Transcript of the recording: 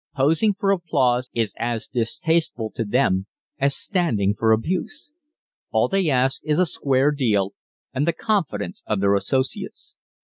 Posing for applause is as distasteful to them as standing for abuse. All they ask is a square deal and the confidence of their associates.